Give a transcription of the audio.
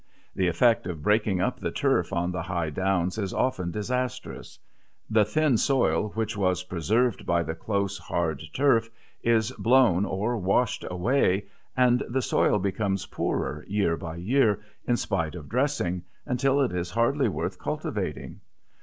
The effect of breaking up the turf on the high downs is often disastrous; the thin soil which was preserved by the close, hard turf is blown or washed away, and the soil becomes poorer year by year, in spite of dressing, until it is hardly worth cultivating.